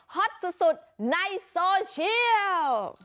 ฮอตสุดในโซเชียล